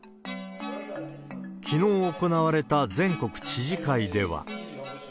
きのう行われた全国知事会では。